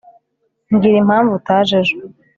mbwira impamvu utaje ejo